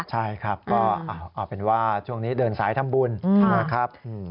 ใช่ครับก็เอาเป็นว่าช่วงนี้เดินสายทำบุญนะครับ